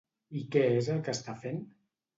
I què és el que està fent?